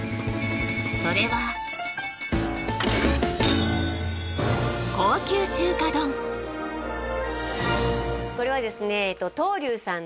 それはこれはですね